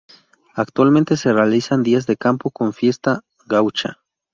Actualmente se realizan días de campo con fiesta gaucha.